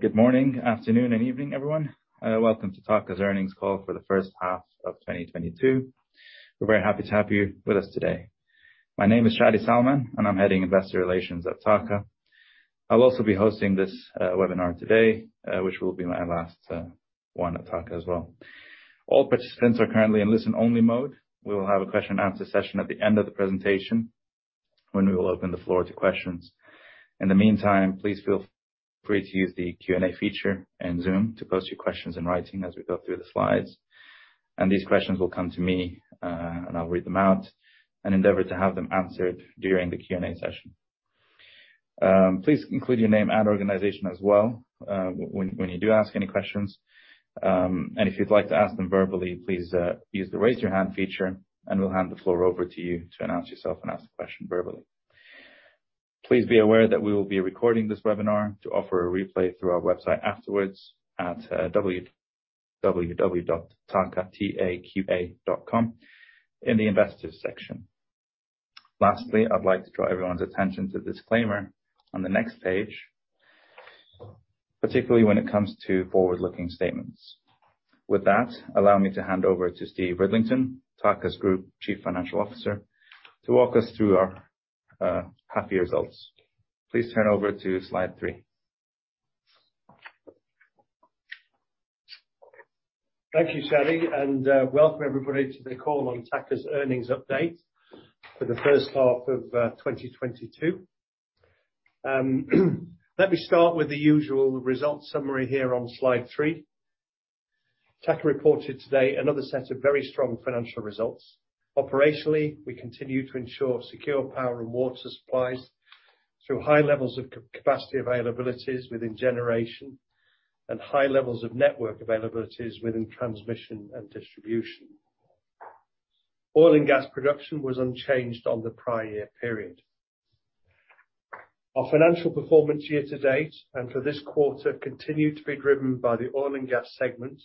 Good morning, afternoon, and evening, everyone. Welcome to TAQA's earnings call for the first half of 2022. We're very happy to have you with us today. My name is Shadi Salman, and I'm heading Investor Relations at TAQA. I'll also be hosting this webinar today, which will be my last one at TAQA as well. All participants are currently in listen-only mode. We will have a question and answer session at the end of the presentation when we will open the floor to questions. In the meantime, please feel free to use the Q&A feature in Zoom to post your questions in writing as we go through the slides. These questions will come to me, and I'll read them out and endeavor to have them answered during the Q&A session. Please include your name and organization as well, when you do ask any questions. If you'd like to ask them verbally, please use the Raise Your Hand feature, and we'll hand the floor over to you to announce yourself and ask the question verbally. Please be aware that we will be recording this webinar to offer a replay through our website afterwards at www.taqa.com in the Investors section. Lastly, I'd like to draw everyone's attention to the disclaimer on the next page, particularly when it comes to forward-looking statements. With that, allow me to hand over to Stephen Ridlington, TAQA's Group Chief Financial Officer, to walk us through our half-year results. Please turn over to slide 3. Thank you, Shadi, and welcome everybody to the call on TAQA's earnings update for the first half of 2022. Let me start with the usual results summary here on slide 3. TAQA reported today another set of very strong financial results. Operationally, we continue to ensure secure power and water supplies through high levels of capacity availabilities within generation and high levels of network availabilities within transmission and distribution. Oil and gas production was unchanged on the prior year period. Our financial performance year to date and for this quarter continued to be driven by the oil and gas segment,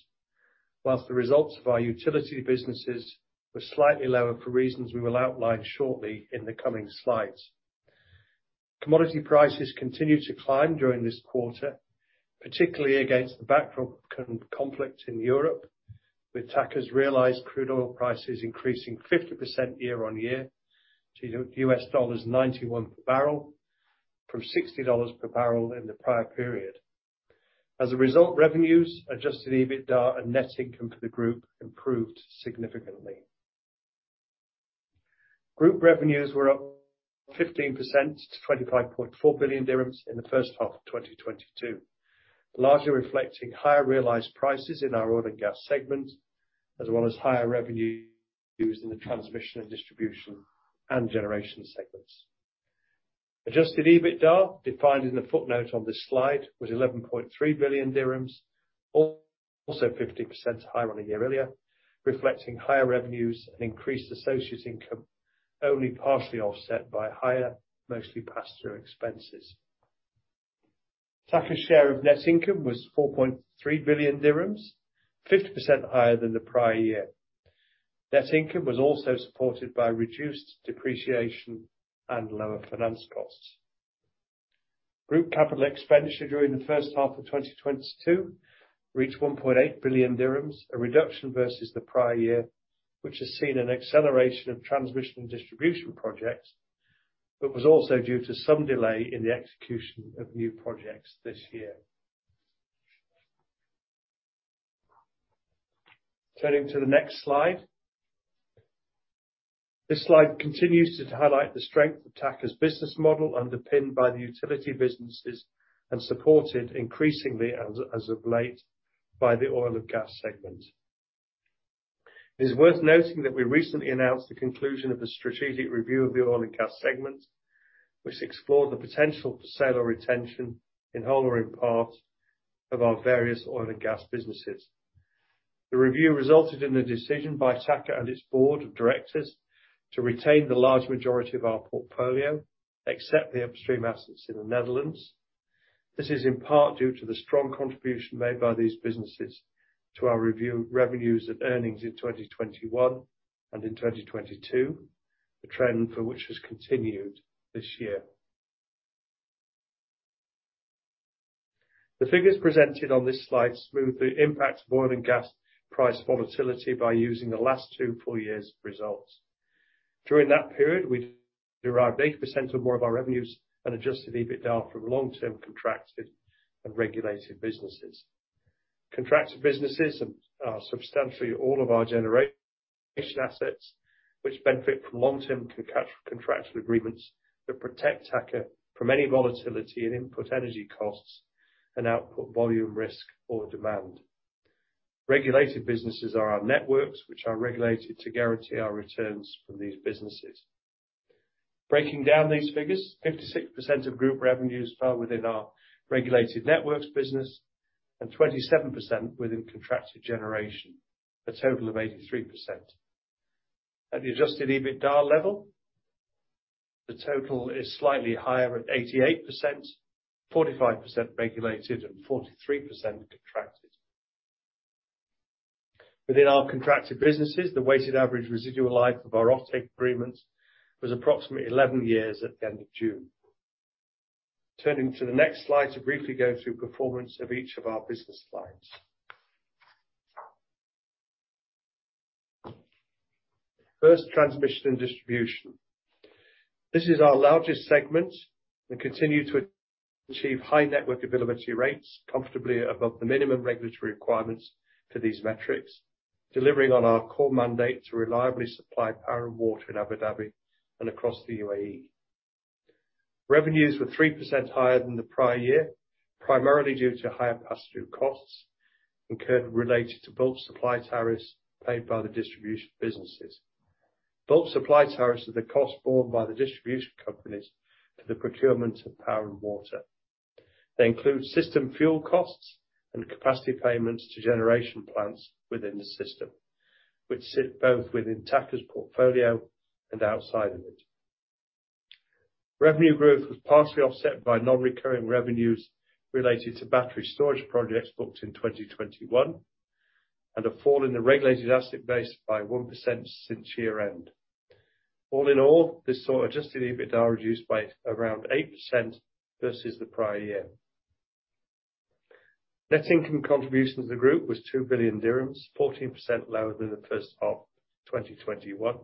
while the results of our utility businesses were slightly lower for reasons we will outline shortly in the coming slides. Commodity prices continued to climb during this quarter, particularly against the backdrop conflict in Europe, with TAQA's realized crude oil prices increasing 50% year-on-year to $91 per barrel from $60 per barrel in the prior period. Revenues, Adjusted EBITDA and net income for the group improved significantly. Group revenues were up 15% to 25.4 billion dirhams in the first half of 2022, largely reflecting higher realized prices in our oil and gas segment, as well as higher revenues used in the transmission and distribution and generation segments. Adjusted EBITDA, defined in the footnote on this slide, was 11.3 billion dirhams, also 50% higher year-on-year, reflecting higher revenues and increased associates income only partially offset by higher, mostly pass-through expenses. TAQA's share of net income was 4.3 billion dirhams, 50% higher than the prior year. Net income was also supported by reduced depreciation and lower finance costs. Group capital expenditure during the first half of 2022 reached 1.8 billion dirhams, a reduction versus the prior year, which has seen an acceleration of transmission and distribution projects, but was also due to some delay in the execution of new projects this year. Turning to the next slide. This slide continues to highlight the strength of TAQA's business model, underpinned by the utility businesses and supported increasingly as of late by the oil and gas segment. It is worth noting that we recently announced the conclusion of the strategic review of the oil and gas segment, which explored the potential for sale or retention in whole or in part of our various oil and gas businesses. The review resulted in a decision by TAQA and its board of directors to retain the large majority of our portfolio, except the upstream assets in the Netherlands. This is in part due to the strong contribution made by these businesses to our recurring revenues and earnings in 2021 and in 2022, a trend which has continued this year. The figures presented on this slide smooth the impact of oil and gas price volatility by using the last two full years' results. During that period, we derived 80% or more of our revenues and Adjusted EBITDA from long-term contracted and regulated businesses. Contracted businesses are substantially all of our generation assets, which benefit from long-term contractual agreements that protect TAQA from any volatility in input energy costs and output volume risk or demand. Regulated businesses are our networks, which are regulated to guarantee our returns from these businesses. Breaking down these figures, 56% of group revenues fell within our regulated networks business and 27% within contracted generation, a total of 83%. At the Adjusted EBITDA level, the total is slightly higher at 88%, 45% regulated and 43% contracted. Within our contracted businesses, the weighted average residual life of our offtake agreements was approximately 11 years at the end of June. Turning to the next slide to briefly go through performance of each of our business lines. First, transmission and distribution. This is our largest segment and continue to achieve high net with availability rates comfortably above the minimum regulatory requirements for these metrics, delivering on our core mandate to reliably supply power and water in Abu Dhabi and across the UAE. Revenues were 3% higher than the prior year, primarily due to higher pass-through costs incurred related to both supply tariffs paid by the distribution businesses. Both supply tariffs are the cost borne by the distribution companies for the procurement of power and water. They include system fuel costs and capacity payments to generation plants within the system, which sit both within TAQA's portfolio and outside of it. Revenue growth was partially offset by non-recurring revenues related to battery storage projects booked in 2021, and a fall in the regulated asset base by 1% since year-end. All in all, this saw adjusted EBITDA reduced by around 8% versus the prior year. Net income contribution to the group was 2 billion dirhams, 14% lower than the first half of 2021,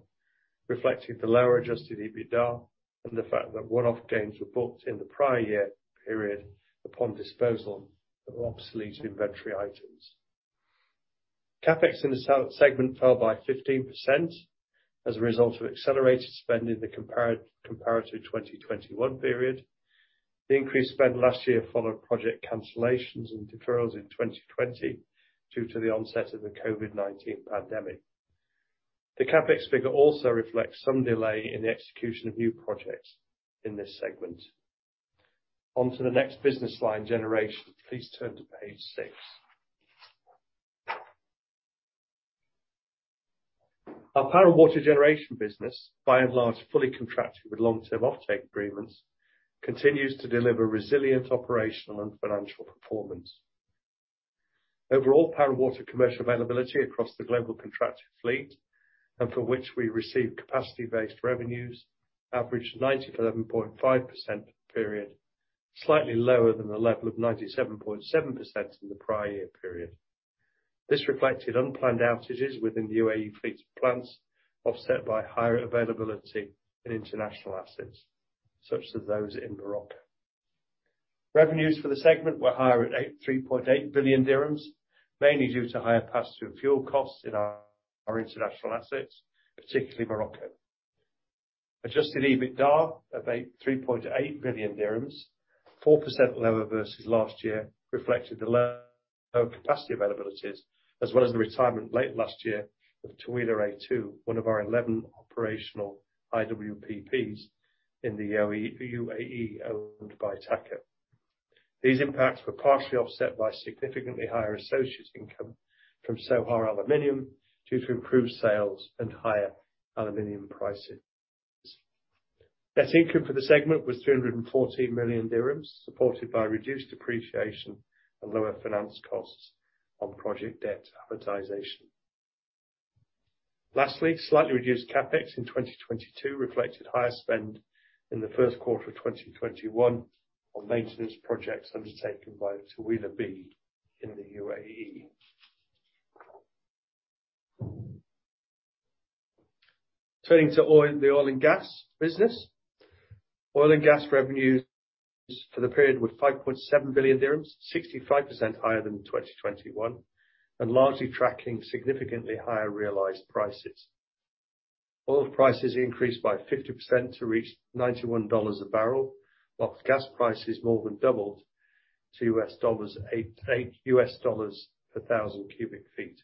reflecting the lower adjusted EBITDA and the fact that one-off gains were booked in the prior year period upon disposal of obsolete inventory items. CapEx in the south segment fell by 15% as a result of accelerated spend in the comparative 2021 period. The increased spend last year followed project cancellations and deferrals in 2020 due to the onset of the COVID-19 pandemic. The CapEx figure also reflects some delay in the execution of new projects in this segment. Onto the next business line, generation. Please turn to page six. Our power and water generation business, by and large, fully contracted with long-term offtake agreements, continues to deliver resilient operational and financial performance. Overall, power and water commercial availability across the global contracted fleet, and for which we receive capacity-based revenues, averaged 97.5% for the period, slightly lower than the level of 97.7% in the prior year period. This reflected unplanned outages within the UAE fleet's plants, offset by higher availability in international assets, such as those in Morocco. Revenues for the segment were higher at 3.8 billion dirhams, mainly due to higher pass-through fuel costs in our international assets, particularly Morocco. Adjusted EBITDA of 3.8 billion dirhams, 4% lower versus last year, reflected the low capacity availabilities as well as the retirement late last year of Taweelah A2, one of our 11 operational IWPPs in the UAE owned by TAQA. These impacts were partially offset by significantly higher associate income from Sohar Aluminium due to improved sales and higher aluminum prices. Net income for the segment was 314 million dirhams, supported by reduced depreciation and lower finance costs on project debt amortization. Lastly, slightly reduced CapEx in 2022 reflected higher spend in the first quarter of 2021 on maintenance projects undertaken by Taweelah B in the UAE. Turning to oil, the oil and gas business. Oil and gas revenues for the period were 5.7 billion dirhams, 65% higher than in 2021, and largely tracking significantly higher realized prices. Oil prices increased by 50% to reach $91 a barrel, while gas prices more than doubled to $88 per thousand cubic feet.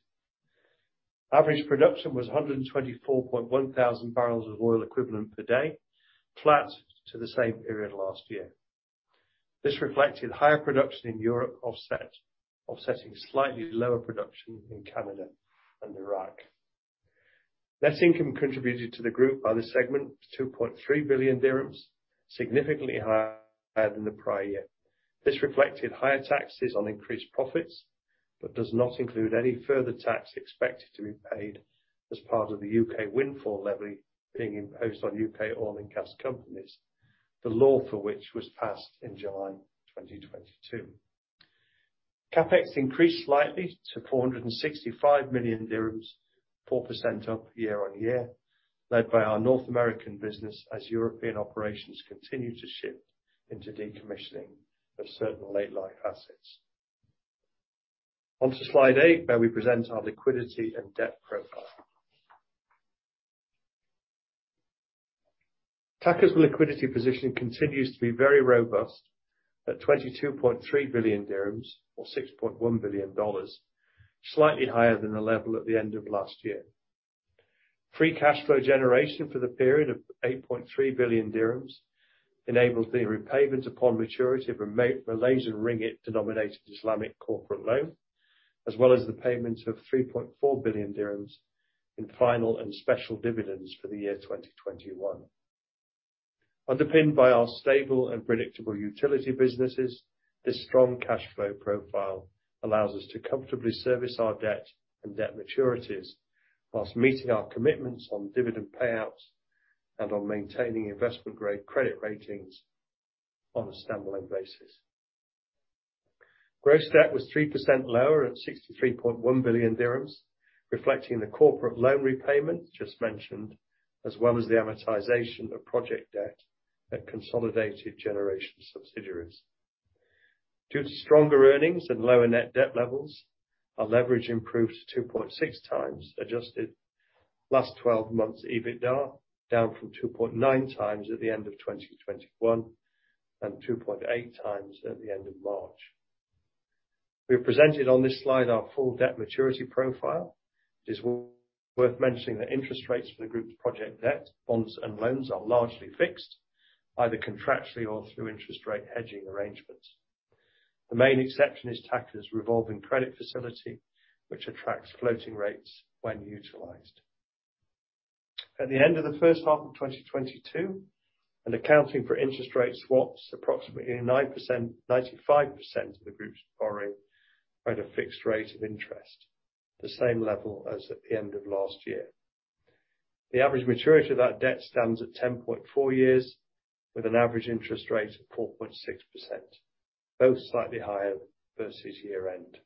Average production was 124.1 thousand barrels of oil equivalent per day, flat to the same period last year. This reflected higher production in Europe offsetting slightly lower production in Canada and Iraq. Net income contributed to the group by this segment was 2.3 billion dirhams, significantly higher than the prior year. This reflected higher taxes on increased profits, but does not include any further tax expected to be paid as part of the U.K. windfall levy being imposed on U.K. oil and gas companies, the law for which was passed in July 2022. CapEx increased slightly to 465 million dirhams, 4% up year-on-year, led by our North American business as European operations continue to shift into decommissioning of certain late life assets. Onto slide 8, where we present our liquidity and debt profile. TAQA's liquidity position continues to be very robust at 22.3 billion dirhams or $6.1 billion, slightly higher than the level at the end of last year. Free cash flow generation for the period of 8.3 billion dirhams enabled the repayment upon maturity of a Malaysian ringgit-denominated Islamic corporate loan, as well as the payment of 3.4 billion dirhams in final and special dividends for the year 2021. Underpinned by our stable and predictable utility businesses, this strong cash flow profile allows us to comfortably service our debt and debt maturities while meeting our commitments on dividend payouts and on maintaining investment-grade credit ratings on a standalone basis. Gross debt was 3% lower at 63.1 billion dirhams, reflecting the corporate loan repayment just mentioned, as well as the amortization of project debt at consolidated generation subsidiaries. Due to stronger earnings and lower net debt levels, our leverage improved to 2.6 times Adjusted last twelve months EBITDA, down from 2.9 times at the end of 2021 and 2.8 times at the end of March. We have presented on this slide our full debt maturity profile. It is worth mentioning that interest rates for the group's project debt, bonds and loans are largely fixed, either contractually or through interest rate hedging arrangements. The main exception is TAQA's revolving credit facility, which attracts floating rates when utilized. At the end of the first half of 2022, and accounting for interest rate swaps, approximately 95% of the group's borrowing at a fixed rate of interest, the same level as at the end of last year. The average maturity of that debt stands at 10.4 years, with an average interest rate of 4.6%, both slightly higher versus year-end.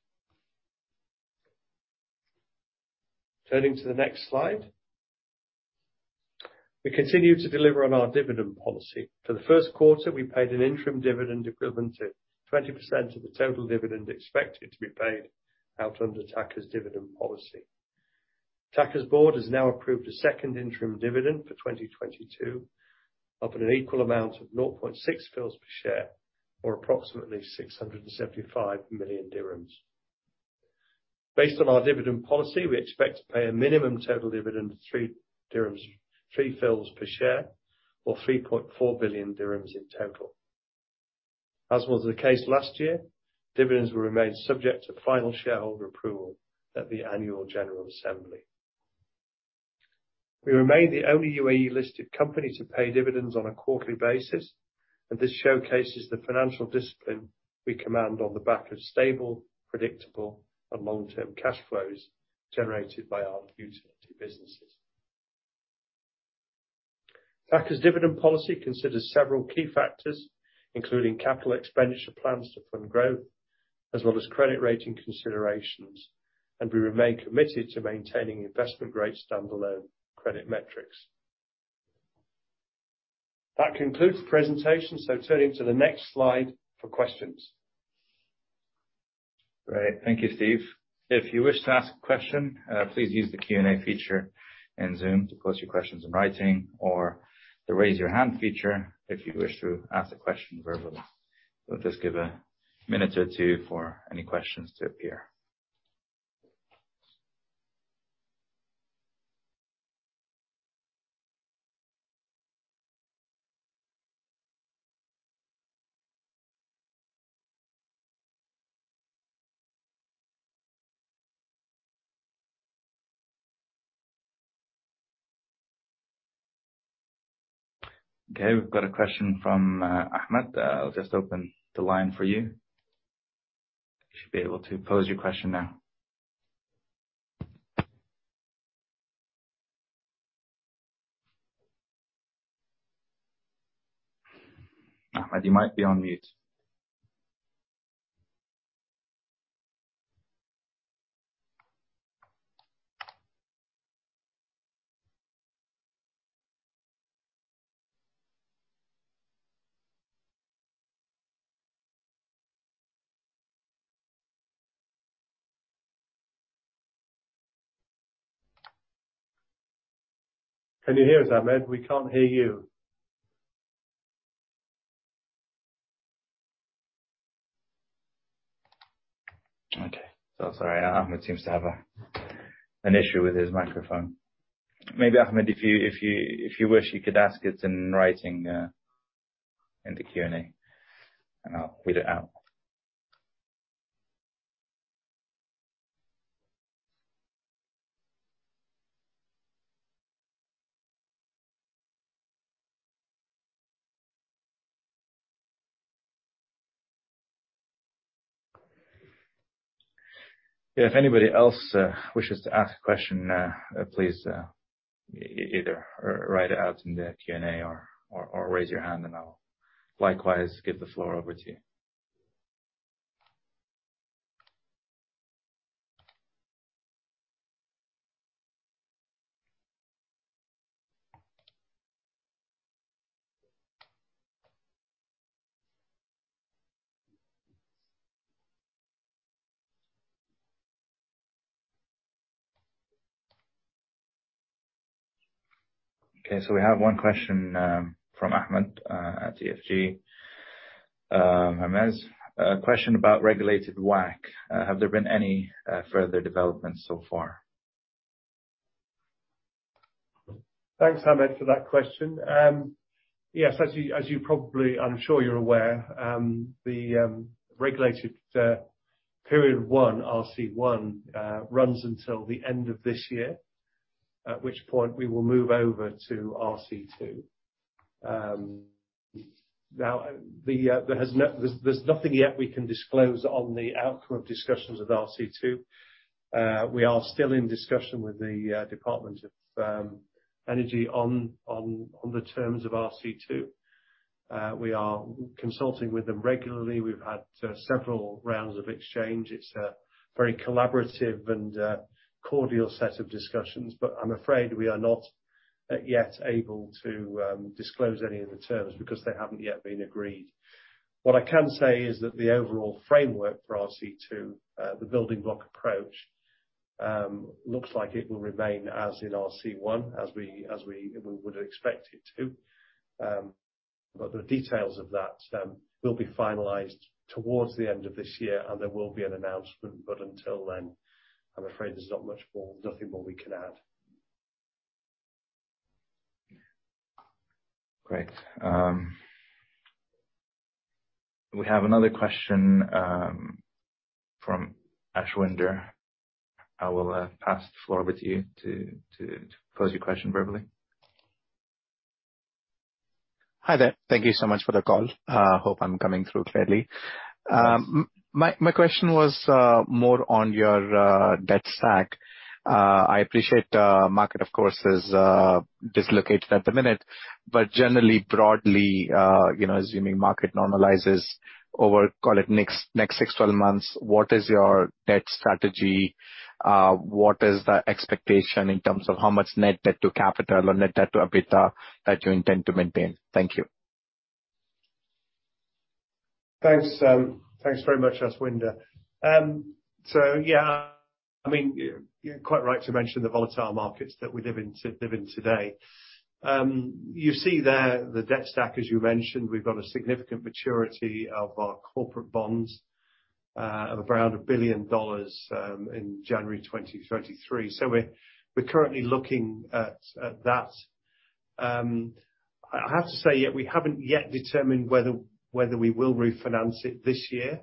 Turning to the next slide, we continue to deliver on our dividend policy. For the first quarter, we paid an interim dividend equivalent to 20% of the total dividend expected to be paid out under TAQA's dividend policy. TAQA's board has now approved a second interim dividend for 2022 of an equal amount of 0.6 fils per share or approximately 675 million dirhams. Based on our dividend policy, we expect to pay a minimum total dividend of three fils per share or 3.4 billion dirhams in total. As was the case last year, dividends will remain subject to final shareholder approval at the annual general assembly. We remain the only UAE-listed company to pay dividends on a quarterly basis, and this showcases the financial discipline we command on the back of stable, predictable, and long-term cash flows generated by our utility businesses. TAQA's dividend policy considers several key factors, including capital expenditure plans to fund growth, as well as credit rating considerations. We remain committed to maintaining investment-grade standalone credit metrics. That concludes the presentation, turning to the next slide for questions. Great. Thank you, Steve. If you wish to ask a question, please use the Q&A feature in Zoom to post your questions in writing or the Raise Your Hand feature if you wish to ask the question verbally. We'll just give a minute or two for any questions to appear. Okay, we've got a question from Ahmed. I'll just open the line for you. You should be able to pose your question now. Ahmed, you might be on mute. Can you hear us, Ahmed? We can't hear you. Okay. Sorry. Ahmed seems to have an issue with his microphone. Maybe, Ahmed, if you wish, you could ask it in writing in the Q&A, and I'll read it out. If anybody else wishes to ask a question, please either write it out in the Q&A or raise your hand, and I'll likewise give the floor over to you. Okay, we have one question from Ahmed at EFG. Ahmed, a question about regulated WACC. Have there been any further developments far? Thanks, Ahmed, for that question. Yes, as you probably, I'm sure you're aware, the regulated period 1, RC1, runs until the end of this year, at which point we will move over to RC2. Now, there's nothing yet we can disclose on the outcome of discussions with RC2. We are still in discussion with the Department of Energy on the terms of RC2. We are consulting with them regularly. We've had several rounds of exchange. It's a very collaborative and cordial set of discussions, but I'm afraid we are not yet able to disclose any of the terms because they haven't yet been agreed. What I can say is that the overall framework for RC2, the building block approach, looks like it will remain as in RC1, as we would expect it to. The details of that will be finalized towards the end of this year, and there will be an announcement. Until then, I'm afraid there's not much more, nothing more we can add. Great. We have another question from Ashwinder. I will pass the floor to you to pose your question verbally. Hi there. Thank you so much for the call. Hope I'm coming through clearly. My question was more on your debt stack. I appreciate market, of course, is dislocated at the moment. Generally, broadly, assuming market normalizes over, call it next six to 12 months, what is your debt strategy? What is the expectation in terms of how much net debt to capital or net debt to EBITDA that you intend to maintain? Thank you. Thanks very much, Ashwinder. I mean, you're quite right to mention the volatile markets that we're living today. You see there the debt stack, as you mentioned. We've got a significant maturity of our corporate bonds of around $1 billion in January 2023. We're currently looking at that. I have to say, yet we haven't yet determined whether we will refinance it this year.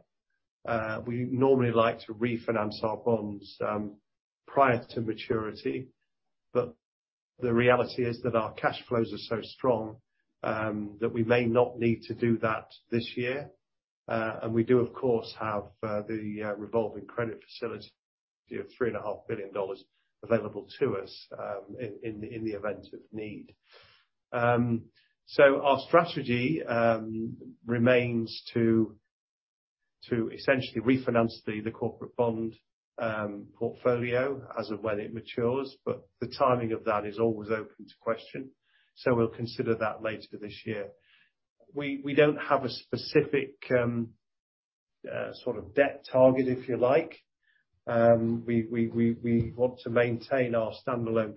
We normally like to refinance our bonds prior to maturity, but the reality is that our cash flows are strong that we may not need to do that this year. We do, of course, have the revolving credit facility of $3.5 billion available to us in the event of need. Our strategy remains to essentially refinance the corporate bond portfolio as of when it matures, but the timing of that is always open to question. We'll consider that later this year. We don't have a specific sort of debt target, if you like. We want to maintain our standalone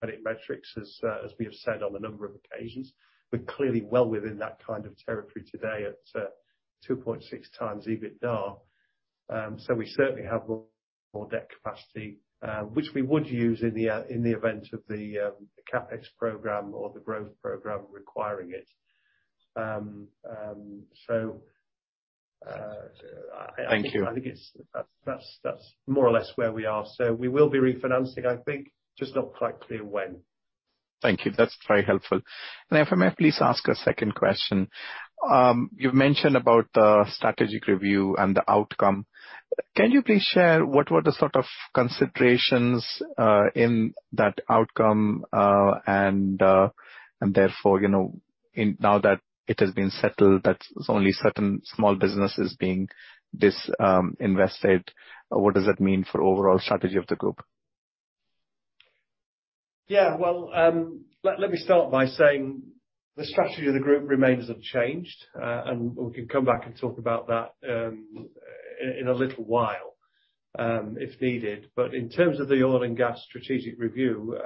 credit metrics as we have said on a number of occasions. We're clearly well within that kind of territory today at 2.6 times EBITDA. We certainly have more debt capacity, which we would use in the event of the CapEx program or the growth program requiring it. Thank you. I think that's more or less where we are. We will be refinancing, I think, just not quite clear when. Thank you. That's very helpful. If I may please ask a second question. You've mentioned about the strategic review and the outcome. Can you please share what were the sort of considerations in that outcome and therefore, and now that it has been settled, that's only certain small businesses being disinvested. What does it mean for overall strategy of the group? Well, let me start by saying the strategy of the group remains unchanged. We can come back and talk about that in a little while, if needed. In terms of the oil and gas strategic review,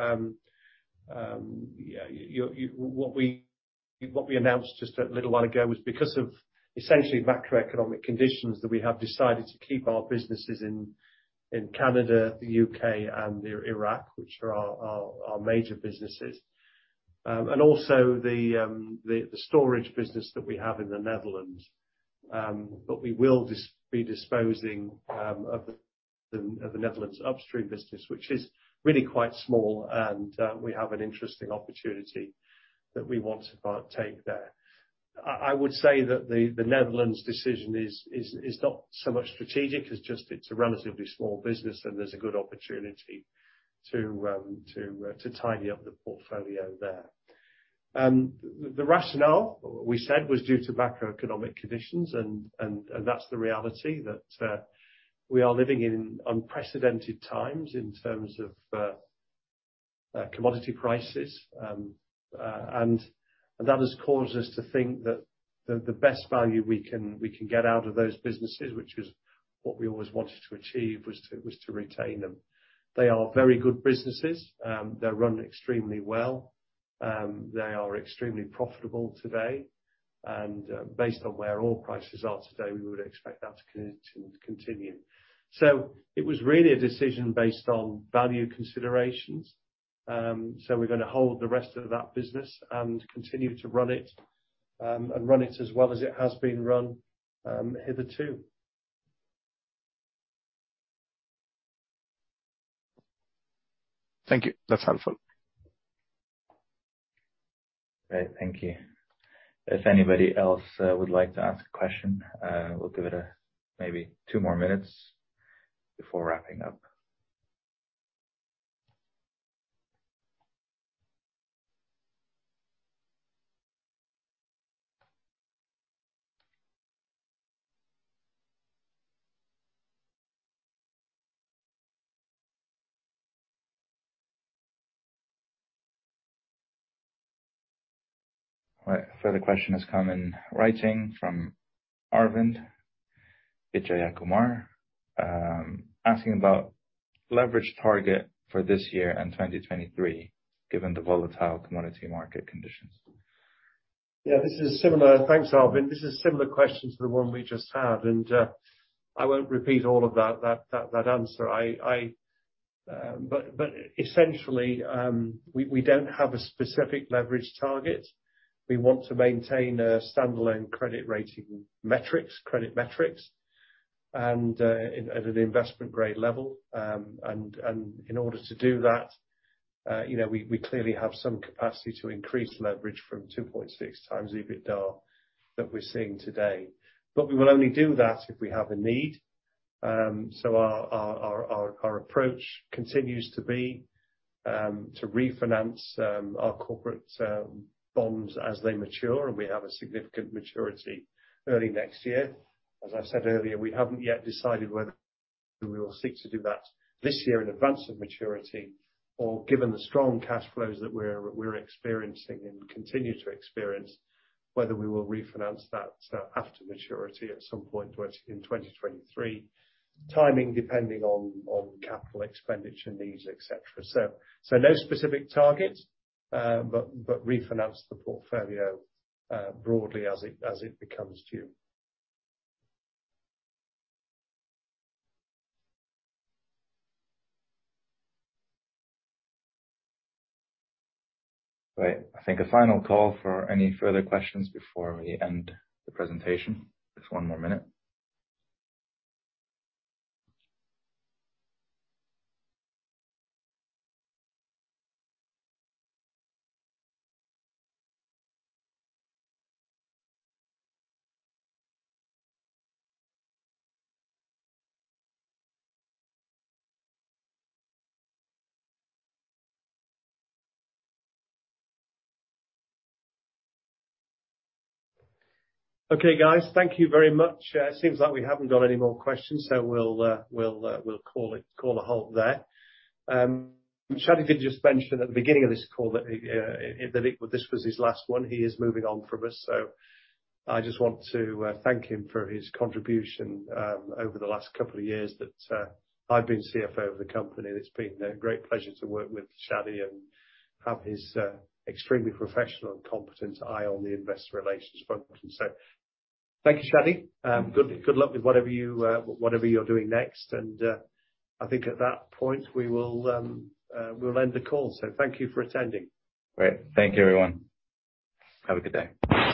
what we announced just a little while ago is because of essentially macroeconomic conditions that we have decided to keep our businesses in Canada, the U.K., and Iraq, which are our major businesses, and also the storage business that we have in the Netherlands. We will be disposing of the Netherlands upstream business, which is really quite small and we have an interesting opportunity that we want to partake there. I would say that the Netherlands decision is not much strategic. It's just a relatively small business and there's a good opportunity to tidy up the portfolio there. The rationale we said was due to macroeconomic conditions, and that's the reality that we are living in unprecedented times in terms of commodity prices. That has caused us to think that the best value we can get out of those businesses, which is what we always wanted to achieve, was to retain them. They are very good businesses. They're run extremely well. They are extremely profitable today. Based on where oil prices are today, we would expect that to continue. It was really a decision based on value considerations. We're gonna hold the rest of that business and continue to run it, and run it as well as it has been run, hitherto. Thank you. That's helpful. Great, thank you. If anybody else would like to ask a question, we'll give it maybe two more minutes before wrapping up. All right, a further question has come in writing from Arvind Vijayakumar, asking about leverage target for this year and 2023, given the volatile commodity market conditions. This is similar. Thanks, Arvind. This is a similar question to the one we just had, and I won't repeat all of that answer. Essentially, we don't have a specific leverage target. We want to maintain standalone credit metrics at an investment grade level. In order to do that, we clearly have some capacity to increase leverage from 2.6x EBITDA that we're seeing today. We will only do that if we have a need. Our approach continues to be to refinance our corporate bonds as they mature, and we have a significant maturity early next year. As I said earlier, we haven't yet decided whether we will seek to do that this year in advance of maturity or, given the strong cash flows that we're experiencing and continue to experience, whether we will refinance that after maturity at some point in 2023, timing depending on capital expenditure needs, et cetera. No specific target, but refinance the portfolio broadly as it becomes due. Right. I think a final call for any further questions before we end the presentation. Just one more minute. Okay, guys. Thank you very much. It seems like we haven't got any more questions, we'll call it a halt there. Shadi did just mention at the beginning of this call that this was his last one. He is moving on from us. I just want to thank him for his contribution over the last couple of years that I've been CFO of the company. It's been a great pleasure to work with Shadi and have his extremely professional and competent eye on the investor relations function. Thank you, Shadi. Good luck with whatever you're doing next. I think at that point, we will end the call. Thank you for attending. Great. Thank you, everyone. Have a good day.